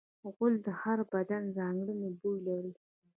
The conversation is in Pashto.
غول د هر بدن ځانګړی بوی لري.